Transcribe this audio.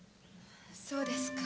そうですか。